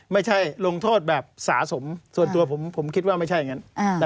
ไม่ใช่ลงโทษแบบสะสมส่วนตัวผมคิดว่าไม่ใช่อย่างนั้น